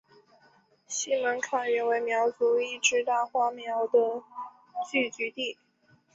石门坎原为苗族一支大花苗的聚居地。